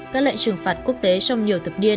các lệnh trừng phạt quốc tế trong nhiều thập niên